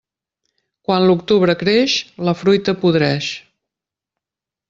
Quan l'octubre creix, la fruita podreix.